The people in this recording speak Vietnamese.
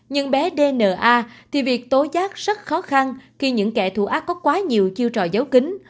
nhưng bé dna thì việc tố giác rất khó khăn khi những kẻ thù ác có quá nhiều chiêu trò giấu kính